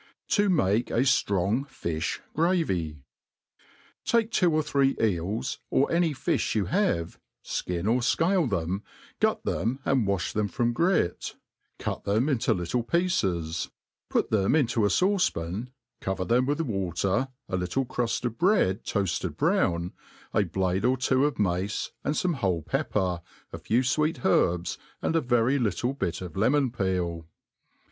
TV m^ke ajirong Fijb gravy. TAKE two or three eels, or any fifh you have, Ikin or fcale them, gut them and wafh them from grit, cut them into little pieces, put them into a fauce>pan, cover them with water, a little cruft of bread toafted brown, a blade of two of mace, and fome whole pepper, a few fweet herbs, and a very little bit of lempn peel.